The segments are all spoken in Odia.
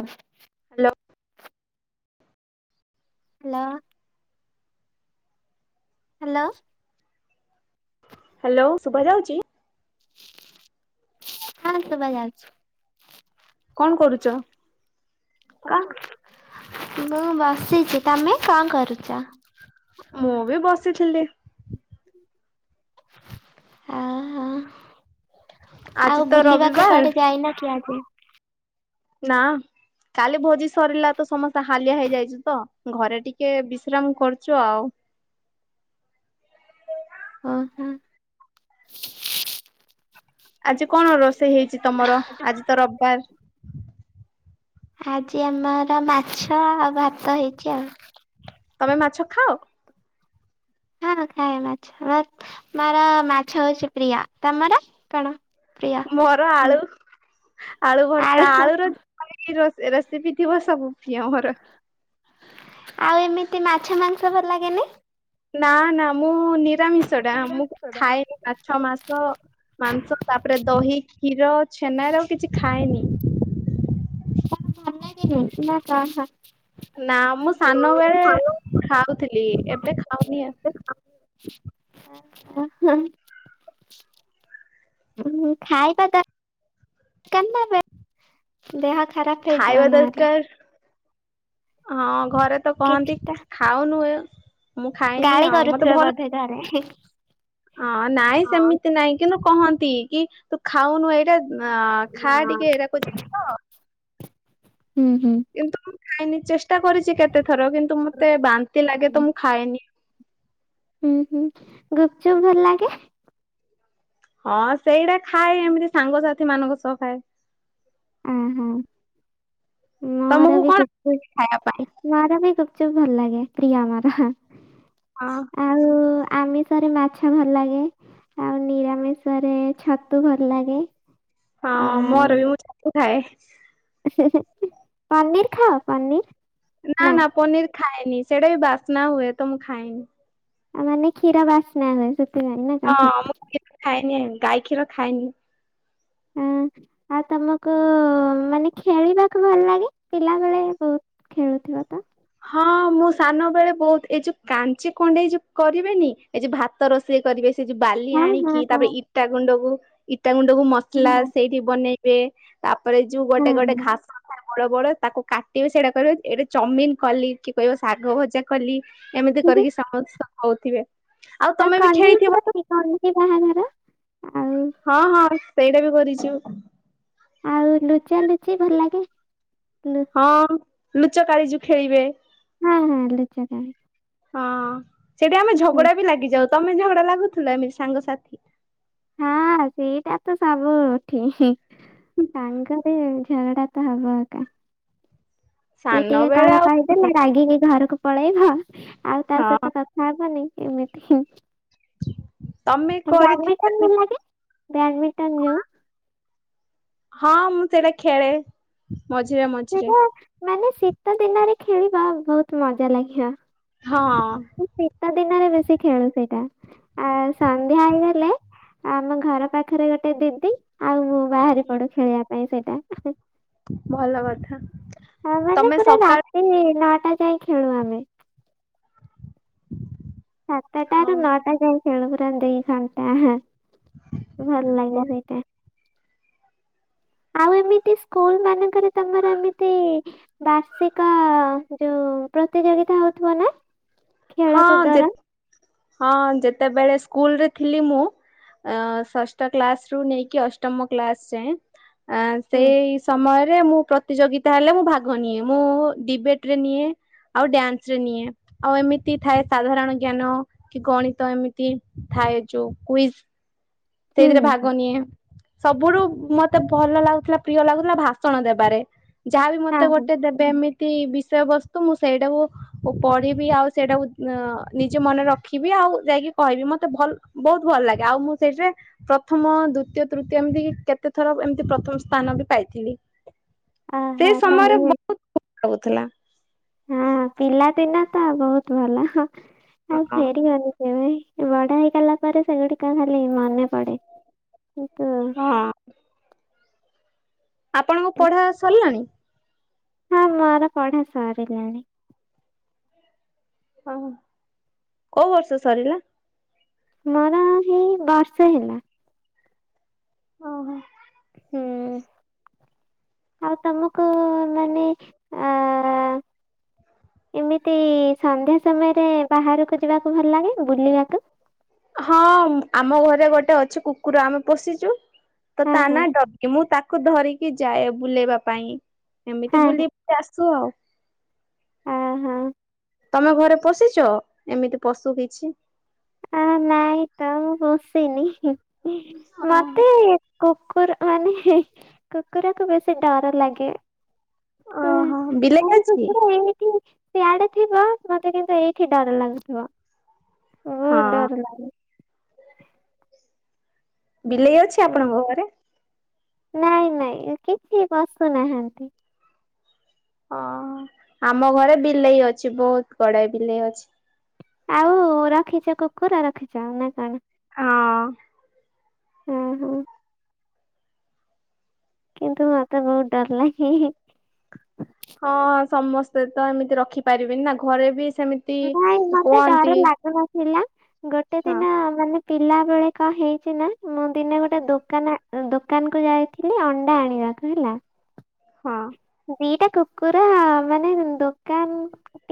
ହଁ ଲୋ। ଲ ହାଲୋ। ହ୍ୟାଲୋ ଶୁଭ ଯାଉଛି? ହଁ ଶୁଭା ଯାଉଛି। କଣ କରୁଛ? କ ମୁଁ ବସିଛି। ତମେ କ କରୁଛ? ମୁଁ ବି ବସିଥିଲି। ଅ ହଁ ଆଜି ଆଉ ତ ବୁଲିବାକୁ ରବିବାର କୁଆଡେ ଯାଇନ କି ଆଜି? ନା। କାଲି ଭୋଜି ସରିଲା ତ ସମସ୍ତେ ହାଲିଆ ହେଇଯାଇଛୁ ତ ଘରେ ଟିକେ ବିଶ୍ରାମ କରୁଛୁ ଆଉ। ଓ ହୋଁ। ଆଜି କଣ ରୋଷେଇ ହେଇଛି ତମର ଆଜି ତ ରବିବାର? ଆଜି ଆମର ମାଛ ଆଉ ଭାତ ହେଇଛି ଆଉ। ତମେ ମାଛ ଖାଅ? ହଁ ଖାଏ ମାଛ ର ମୋର ମାଛ ହଉଛି ପ୍ରିୟ ତମର କଣ ପ୍ରିୟ? ମୋର ଆଳୁ ଆଳୁ ଭରତା ଆଳୁ ର ରସ ରେସିପି ଥିବ ସବୁ ଫିଅ ମୋର। ଆଉ ଏମିତି ମାଛ ମାଂସ ଭଲ ଲାଗେନି? ନା ନା ମୁଁ ନିରାମିଷ ଟା ମୁଁ ଭଲ ଖାଏ ଆଛା ମାସ ମାଂସ ତାପରେ ଦହି କ୍ଷୀର ଛେନାର ମୁଁ କିଛି ଖାଏନି। କ ଭଲ ଲାଗ ନି ନା କ [unintelligible] ନା ମୁଁ ସାନ ବେଳେ ଖାଉଥିଲି ଏବେ ଖାଉନି ଆ। ହ ହ [unintelligible] ଖାଇବା ଦ [unintelligible] ଦେହ ଖରାପ ହେଇଯିବ ଖାଇବା ନ ହେଲେ? ଦରକାର ହଁ ଘରେ ତ କିଛି କହନ୍ତି ତ ଖାଉନୁଉ ମୁଁ ଖାଏନି ଆଉ ମତେ ଭଲ ସରେ ହେଁ ହଁ ନାଇଁ ସେମିତି ନାଇଁ କିନ୍ତୁ କହନ୍ତି କି ତୁ ଖାଉନୁ ଏଇଟା। ନା ଖା ଟିକେ ଏଇରାକ ଜିନିଷ। ହୁଁ ହୁଁ। କିନ୍ତୁ ମୁଁ ଖାଇନି ଚେଷ୍ଟା କରିଛି କେତେ ଥର କିନ୍ତୁ ମତେ ବାନ୍ତି ଲାଗେ ତ ମୁଁ ଖାଏନି। ହୁଁ, ହୁଁ ଗୁପଚୁପ୍ ଭଲ ଲାଗେ। ହଁ ସେଇଟା ଖାଏ ଏମିତି ସାଙ୍ଗସାଥି ମାନଙ୍କ ସହ ଖାଏ। ହୁଁ, ହୁଁ, ମୋର ତମକୁ ବି କଣ ଖାଇବା ପାଇଁ ଗୁପଚୁପ୍ ମୋର ବି ଗପଚୁପ୍ ଭଲ ଲାଗେ ପ୍ରିୟ ମୋର ହଁ। ଆଉ ଆମିଷରେ ମାଛ ଭଲ ଲାଗେ। ଆଉ ନିରାମିଷ ରେ ଛତୁ ଭଲ ଲାଗେ। ହଁ ମୋର ବି ଆଉ ମୁଁ ଛତୁ ଖାଏ। [unintelligible] ପନିର ଖାଅ ପନିର୍। ନା ନା ପନିର ଖାଏନି ସେଇଟା ବି ବାସ୍ନା ହୁଏ ତ ମୁଁ ଖାଏନି। ଆ ମାନେ କ୍ଷୀର ବାସ୍ନା ହୁଏ ସେଥିପାଇଁ ନା କଣ ହଁ ମୁ କିଛି ଖାଏନି ଗାଈ କ୍ଷୀର ଖାଏନି। ହୁଁ, ଆଉ ତମକୁ ମାନେ ଖେଳିବାକୁ ଭଲ ଲାଗେ ପିଲାବେେଳେ ବହୁତ୍ ଖେଳୁଥିବ ତ। ହଁ ମୁଁ ସାନ ବେଳେ ବହୁତ୍ ଏଇ ଯୋଉ କାଞ୍ଚି କଣ୍ଡେଇ ଯୋଉ କରିବେନି ଏ ଯୋଉ ଭାତ ରୋଷେଇ କରିବେ ସେ ଯୋଉ ବାଲି ହଁ ହଁ ଆଣିକି ହଁ ତାପରେ ଇଟା ଗୁଣ୍ଡକୁ ଇଟା ଗୁଣ୍ଡକୁ ହଁ ମସଲା ସେଇଠି ବନେଇକି ତାପରେ ଯୋଉ ଗୋଟେ ଗୋଟେ ହଁ ଘାସଥାଏ ବଡ ବଡ ତାକୁ କାଟିବେ ସେଇଟା କରିବେ ଏଇଟା ଚମିନ କଲି କି କହିବ ଶାଗ ଭଜା କଲି ଏମିତି କିନ୍ତୁ କରିକି ସମସ୍ତେ କହୁଥିବେ। ଆଉ ତମେ ବି ଖେଳିଥିବ ତ। ସରିନି ବାହାଘର ଆଉ ହଁ, ହଁ ଏଇ ସେଇଟା ବି କରିଛୁ। ଆଉ ଲୁଚି ଲୁଚି ଭଲ ଲାଗେ ଲୁ ହଁ ଲୁଚ କାଳୀ ଯୋଉ ଖେଳିବେ ହୁଁ, ହୁଁ ଲୁଚକାଳି। ହଁ ସେଠି ଆମେ ଝଗଡା ବି ଲାଗିଯାଉ ତମେ ଝଗଡା ଲାଗୁଥିଲ ଏମିତି ସାଙ୍ଗସାଥି। ହଁ ସେଇଟା ତ ସବୁଠି ସାଙ୍ଗରେ ଝଗଡା ତ ହବ ଆ କାଁ ସେ ସାନ ଟିକେ ବେଳେ କଣ ଆଉ କହି଼ଦେଲେ ରାଗିକି ଘରକୁ ପଳେଇଲ ଆଉ ତା ହଁ ସହିତ କଥା ହବନି କେମିତି ତମେ କରିଥିବ ବ୍ୟାଡମିଣ୍ଟନ୍ ଯୋଉ ହଁ ମୁଁ ସେଇଟା ଖେଳେ। ମଝିରେମ ଥିବ ମାନେ ଶୀତ ଦିନରେ ଖେଳିବା ବହୁତ୍ ମଜା ଲାଗିବ। ହଁ। ଶୀତ ଦିନରେ ବେଶୀ ଖେଳୁ ସେଇଟା। ଆ ସନ୍ଧ୍ୟା ହେଇଗଲେ ଆମ ଘର ପାଖରେ ଗୋଟେ ଦିଦି ଆଉ ମୁଁ ବାହାରି ପଡୁ ଖେଳିବା ପାଇଁ ସେଇଟା [unintelligible] ଭଲ କଥା ତମେ ସକାଳ ସେଇ ନଅଟା ଯାଇ ଖେଳୁ ଆମେ ହଁ ସାତଟାରୁ ନଅଟା ଯାଇ ଖେଳୁ ପୁରା ଦି ଘଣ୍ଟା। ଭଲ ଲାଗେ ସେଇଟା। ଆଉ ଏମିତି ସ୍କୁଲ ମାନଙ୍କରେ ତମର ଏମିତି ବାର୍ଷିକ ଯୋଉ ପ୍ରତିଯୋଗିତା ହଉଥିବ ନା ହଁ ଖେଳକୁଦର? ହଁ ଯେତେବେଳେ ସ୍କୁଲରେ ଥିଲି ମୁଁ ଅ ଷଷ୍ଠ କ୍ଲାସ ରୁ ନେଇକି ଅଷ୍ଟମ କ୍ଳାସ ଯାଏଁ ଆ ହୁଁ ସେଇ ସମୟରେ ମୁଁ ପ୍ର ପ୍ରତିଯୋଗିତା ହେଲେ ମୁଁ ଭାଗ ନିଏ ମୁଁ ଡିବେଟ ରେ ନିଏ ଆଉ ଡ୍ୟାନ୍ସ ରେ ନିଏ ଆଉ ଏମିତ ତି ଥାଏ ସାଧାରଣ ଜ୍ଞାନ କି ଗଣିତ ଏମିତି ଥାଏ ଯୋଉ କୁଇଜ ହୁଁ ସେଇଥିରେ ହୁଁ ହୁଁ। ଭାଗ ନିଏ ସବୁଠୁ ମତେ ଭଲ ଲାଗୁଥିଲା ପ୍ରିୟ ଲାଗୁଥିଲା ଭାଷଣ ଦେବାରେ ଯାହାବି ହଁ ମତେ ହଁ ଗୋଟେ ଦେବେ ଏମିତି ବିଷୟବସ୍ତୁ ମୁଁ ସେଇଟାକୁ ଓ ପଢିବି ଆଉ ସେଇଟାକୁ ନିଜେ ମନେରେ ରଖିବି ଆଉ ଯାଇକି କହିବି ମତେ ଭଲ ବହୁତ ଭଲ ଲାଗେ ଆଉ ମୁଁ ସେଇଠିରେ ପ୍ରଥମ ଦ୍ଵିତୀୟ ତୃତୀୟ ଏମିତି କେତେ ଥର ଏମତି ପ୍ରଥମ ସ୍ଥାନ ବି ପାଇଥିଲି। ସେ ଓହୋ ସମୟରେ ତାହେଲେ ବହୁତ ଭଲ ଲାଗୁଥିଲା। ହଁ ପିଲାଦିନ ତ ବହୁତ ଭଲ ଆଉ ହଁ ଫେରିିବନି। ଏ ବଡ ହେଇଗଲା ପରେ ସେଗୁଡିକ ଖାଲି ମନେ ପଡେ କିନ୍ତୁ ଆପଣଙ୍କ ପଢା ସରିଲାଣି? ହଁ ମୋର ପଢା ସରିଲାଣି। ଓଃ କୋଉ ବର୍ଷ ସରିଲା? ମୋର ହେଇ ବର୍ଷେ ହେଲା। ଓହୋ। ହୁଁ। ଆଉ ତମକୁ ମାନେ ଅ ଏମିତି ସନ୍ଧ୍ୟା ସମୟରେ ବାହାରକୁ ଯିବାକୁ ଭଲ ଲାଗେ ବୁଲିବାକୁ। ହଁ ଆମ ଘରେ ଗୋଟେ ଅଛି କୁକୁର ଆମେ ପୋଶିଛୁ। ତ ହଁ ତା ହଁ ନା ଡକି ମୁଁ ତାକୁ ଧରିକି ଯାଏ ବୁଲେଇବା ପାଇଁ ଏମିତି ହଁ ବୁଲି କି ଆସୁ ଆଉ। ହଁ ହଁ। ତମେ ଘରେ ପୋଶିଛ ଏମିତି ପଶୁ କିଛି? ଆ ନାଇଁ ତ ମୁଁ ପୋସିିନି ମତେ କୁକୁର ମାନେ କୁକୁରକୁ ବେଶୀ ଡର ଲାଗେ। ହ ଓହୋ ବିଲେଇ ଆମାନେ ଅଛି କୁକୁର ଏମିତି ସିଆଡେ ଥିବ ମତେ କିନ୍ତୁ ଏଇଠି ଡର ଲାଗୁଥିବ ବହୁତ ହଁ ଡର ଲାଗେ। ବିଲେଇ ଅଛି ହୁଁ, ଆପଣଙ୍କ ଘରେ? ନାଇଁ ନାଇଁ କିଛି ପସୁନାହାନ୍ତି। ଓ ଆମ ଘରେ ବିଲେଇ ଅଛି ବହୁତ ବଡ ବିଲେଇ ଅଛି। ଆଉ ରଖିଛ କୁକୁର ରଖିଛ ନା କଣ? ହଁ। ହଁ ହଁ। କିନ୍ତୁ ମତେ ବହୁତ ଡର ଲାଗେ। ହଁ ସମସ୍ତେ ତ ଏମିତି ରଖିପାରିବେନି ନା ଘରେ ବି ସେମିତି ନାଇଁ ମତେ ଡର କୁହନ୍ତି ଲାଗିନଥି ହେଲା ଗୋଟେ ହଁ ଦିନ ମାନେ ପିଲା ବେଳେ କଣ ହେଇଛି ନା ମୁଁ ଦିନେ ଗୋଟେ ଦୋକାନ ଦୋକାନ କୁ ଯାଇଥିଲି ଅଣ୍ଡା ଆଣିବାକୁ ହେଲା। ହଁ। ଦିଟା କୁକୁର ମାନେ ଦୋକାନ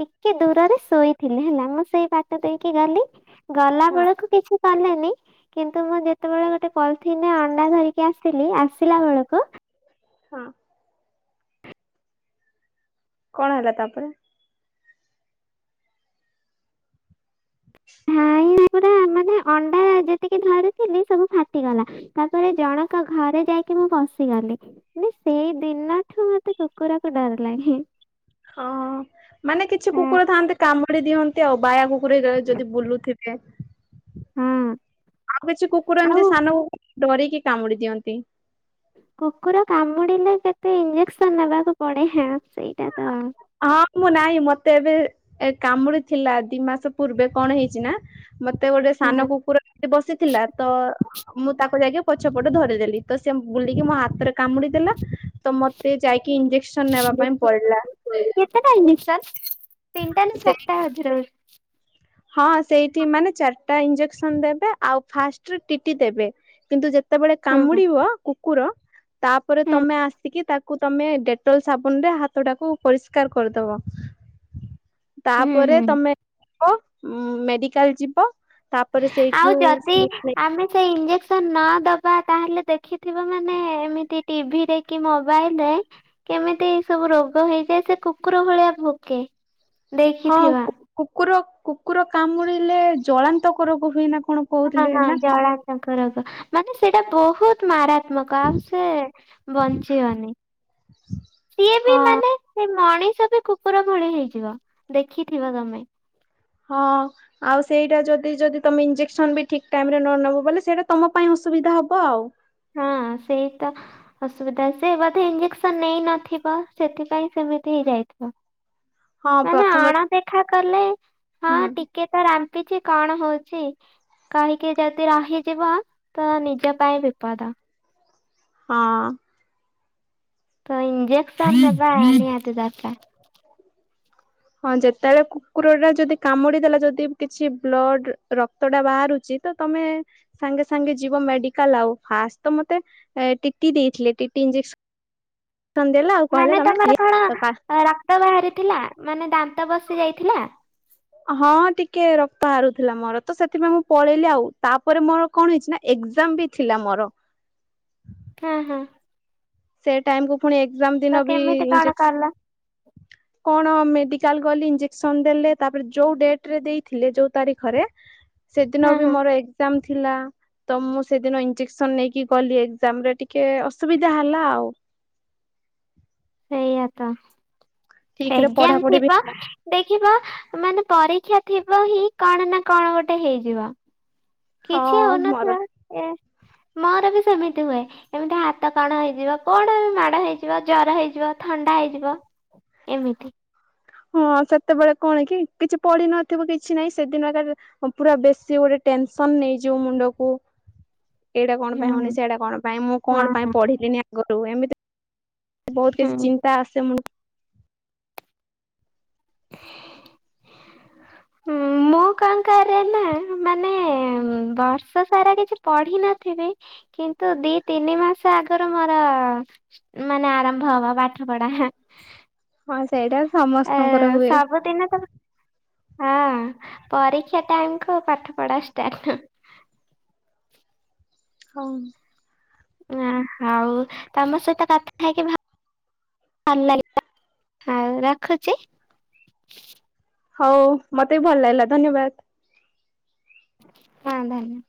ଟିକେ ଦୂରରେ ଶୋଇଥିଲେ ହେଲା ମୁଁ ସେଇ ବାଟ ଦେଇକି ଗଲି ଗଲା ହଁ ବେଳକୁ କିଛି ଚାଲିନି। କିନ୍ତୁ ମୁଁ ଯେତେବେଳେ ଗୋଟେ ପଲିିଥିନରେ ଅଣ୍ଡା ଧରିକି ଆସିଲି ଆସିଲା ବେଳକୁ ହଁ। କଣ ହେଲା ତାପରେ? ହ ମୁଁ ଏଗୁଡା ମାନେ ଅଣ୍ଡା ଯେତିକି ଧରିଥିଲି ସବୁ ଫାଟିଗଲା। ତାପରେ ଜଣଙ୍କ ଘରେ ଯାଇକି ମୁଁ ବସିଗଲି। ସେଇ ଦିନଠୁ ମତେ କୁକୁରକୁ ଡର ଲାଗେ। ହଁ ମାନେ କିଛି ହଁ କୁକୁର ଥାନ୍ତି କାମୁଡି ଦିଅନ୍ତି ଆଉ। ବାୟା କୁକୁର ଯଦି ବୁଲୁଥିବ। ଇଏସ। ହୁଁ ଆଉ କିଛି କୁକୁର ଏମିତି ସାନକୁ ଡରିକି କାମୁଡି ଦିଅନ୍ତି। କୁକୁର କାମୁଡିଲେ କେତେ ଇଞ୍ଜେକ୍ସନ ନେବାକୁ ପଡେ ହେଁ ସେଇଟା ତ। ହଁ ମୁଁ ନାହିଁ ମତେ ଏବେ କାମୁଡିଥିଲା ଦି ମାସ ପୂର୍ବେ କଣ ହେଇଛି ନା- - ମତେ ଗୋଟେ ସାନ କୁକୁର ବସିଥିଲା ତ - - ମୁଁ ତାକୁ ଯାଇକି ପଛପଟେ ଧରିଦେଲି ତ ସେ ବୁଲିକି ମୋ ହାତରେ କାମୁଡିଦେଲା ତ ମ ତେ ଯାଇକି ଇଞ୍ଜେକ୍ସନ ନେବା ପାଇଁ ପଡିଲା। କେତେଟା ହେଇନି ସାର୍ ତିନିଟା ନା ସେ ଚାରିଟା ହଜରଛି। ହଁ ସେଇଠି ମାନେ ଚାରିଟା ଇଞ୍ଜେକ୍ସନ ଦେବେ ଆଉ ଫାଷ୍ଟ ଟିଟି ଦେବେ କିନ୍ତୁ ସେତେବେଳେ ହୁଁ କାମୁଡିବ କୁକୁର ତାପରେ ହୁଁ ତମେ ଆସିକି ତାକୁ ତମେ ଡେଟଲ ସାବୁନ ରେ ହାତ ଟାକୁ ପରିଷ୍କାର କରିଦବ। ହୁଁ ତାପରେ ହୁଁ ହୁଁ ତମେ ଯିବ ମେଡିକାଲ ଯିବ ତା - - ଆଉ ଯଦି ଆମେ ସେଇ ଇଞ୍ଜେ - - ସନ ନ ଦବା ତାହେଲେ ଦେଖିଥିବ ମାନେ ଏମିତି ଟିଭିରେ କି ମୋବାଇଲ ରେ କେମିତି ଏଇ ସବୁ ରୋଗ ହେଇଯାଏ। ସେ କୁକୁର ଭଳିଆ ଭୋକେ। ହଁ ଦେଖିଥିବା। କୁକୁର କୁକୁର କାମୁଡ଼ିଲେ ଜଳାନ୍ତକ ରୋଗ ହୁଏନା କଣ? ହଁ କହୁଥିଲେ ହଁ ନା ଜଳାନ୍ତକ ରୋଗ ମାନେ ସେଇଟା ବହୁତ ମାରାତ୍ମକ ଆଉ ସେ- - ବଞ୍ଚିିଅନି। ସିଏ ବି ହଁ ମାନେ ସେଇ ମଣିଷ ବି କୁକୁର ଭଳି ହେଇଯିବ ଦେଖିଥିବ ତମେ। ହଁ ଆଉ ସେଇଟା ଯଦି ଯଦି ତମେ ଇଞ୍ଜେକ୍ସନ ବି ଠିକ ଟାଇମ ରେ ନ ନେବ ବଲେ ସେଇଟା ତମ ପାଇଁ ଅସୁବିଧା ହବ ଆଉ। ହଁ ସେଇତ ଅସୁବିଧା ସେ ବୋଧେ ଇଞ୍ଜେକ୍ସନ ନେଇନଥିବ ସେଥିପାଇଁ ସେମିତି ହେଇଯାଇଥିବ। ହଁ ମାନେ ପ୍ରଥମେ ଆଣ ଦେଖା କଲେ ହଁ ହୁଁ ଟିକେ - - ସେ ରାମ୍ପି ଚି କଣ ହଉଚି। କାହିଁକି ଯଦି ରାହିଯିବ ତ ନିଜ ପାଇଁ ବିପଦ। ହଁ ତ ଇଜେକ୍ସନ ନବା ତ ନିହାତି ଦରକାର। ହଁ ଯେତେବେଳେ କୁକୁର ଟା ଯଦି କାମୁଡି ଦେଲା ଯଦି କିଛି ବ୍ଲଡ ର - - କ୍ତ ଟା ବାହାରୁଚି ତ ତମେ - - ସାଙ୍ଗେ ସାଙ୍ଗେ ଯିବ ମେଡିକାଲ ଆଉ। ଫାଷ୍ଟ ତ ମତେ ଟିଟି ଦେଇଥିଲେ। ଟିଟି ଇଜେସ - - ସନ ଦେଲା ଆଉ। ମାନେ ତମର ଖାଲି କଣ ରକ୍ତ ବାହାରିଥିଲା। ମାନେ ଦାନ୍ତ ବସି ଯାଇଥିଲା। ହଁ ଟିକେ ରକ୍ତ ହାରୁଥିଲା ମୋର ତ ସେଥିପାଇଁ ମୁଁ ପଳେଇଲି ଆଉ। ତାପରେ ମୋର କଣ ହେଇଛି ନା ଏକ୍ଜାମ ବି ଥିଲା ମୋର। ହଁ ହଁ ସେ ଟାଇମକୁୁ ପୁଣି ଏକ୍ଜାମ ଦିନ ବି ଇଜେସ - - ହ କଣ ମେଡିକାଲ ଗଲି ଇଞ୍ଜେକସନ୍ ଦେଲେ ତାପରେ ଯୋଉ ଡେଟ୍ ରେ ଦେଇଥିଲେ ଯୋଉ ତାରିଖରେ ସେଦିନ ହଁ ବି ହଁ ମୋର ଏ ଏଜ୍ଜାମ୍ ଥିଲା, ତ ମୁଁ ସେଦିନ ଇଞ୍ଜେକସନ୍ ନେଇକି ଗଲି ଏଜ୍ଜାମ୍ ରେ ଟିକେ ଅସୁବିଧା ହେଲା ଆଉ। ସେଇଆ ତ। ଠିକ ରେ ଏଜ୍ଜାମ୍ ପଢାପଢି ବି ଥିବ ହେଲା ଦେଖିବ ମାନେ ପରୀକ୍ଷା ଥିବ ହିଁ କଣ ନା କଣ ଗୋଟେ ହେଇଯିବ। ହଁ କିଛି ହଉନଥିବ, ମୋର ଏ ମୋର ବି ସେମିତି ହୁଏ। ଏମିତି ହାତ କଣ ହେଇଯିବ। କଣ ବି ମାଡ ହେଇଯିବ, ଜର ହେଇଯିବ, ଥଣ୍ଡା ହେଇଯିବ। ଏମିତି। ହଁ। ସେତେବେଳେ କଣ କି କିଛି ପଢିନଥିବ କିଛି ନାଇଁ ସେଦିନ ରେ ହଁ ପୁରା ବେଶୀ ଗୋଟେ ଟେନସନ୍ ନେଇଯିବ ମୁଣ୍ଡକୁ। ହ ଏଇଟା କଣ ପାଇଁ ହଉନି, ସେଇଟା କଣ ପାଇଁ ମୁଁ କଣ ପାଇଁ ହଁ ପଢ଼ିଲିନି ଆଗରୁ। ଏମିତି ବହୁତ କିଛି ହୁଁ। ଚିନ୍ତା ଆସେ ମୁ [unintelligible] ମୁଁ କଣ କରେ ନା ମାନେ ବର୍ଷ ସାରା କିଛି ପଢ଼ିନଥିବି କିନ୍ତୁ ଦି ତିନି ମାସ ଆଗରୁ ମୋର ମାନେ ଆରମ୍ଭ ହବା ପାଠ ପଢା। ହଁ ସେଇଟା ଏ ସମସ୍ତଙ୍କର ହୁଏ। [unintelligible] ହଁ। ପରୀକ୍ଷା ଟାଇମ୍ କୁ ପାଠ ପଢା ଷ୍ଟାର୍ଟ। [unintelligible] ଅଁ ହଉ। ତମ ସହିତ କଥା ହେଇକି ଭ ଭଲ ଲାଗିଲା। ହଉ ରଖୁଚି। ହଉ ମତେ ବି ଭଲ ଲାଗିଲା ଧନ୍ୟବାଦ। ହଁ ଧନ୍ୟ